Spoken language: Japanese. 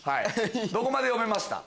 どこまで読めました？